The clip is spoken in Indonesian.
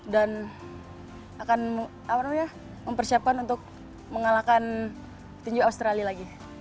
dan akan mempersiapkan untuk mengalahkan petinju australia lagi